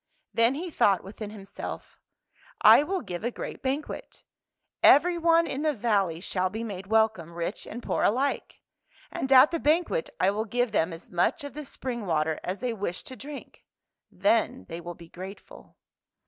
Then he thought within himself, " I will give a great banquet. Everyone in the valley shall be made welcome, rich and poor alike. And at the banquet I will give them as much of the spring water as they wish to drink. Then they will be grateful."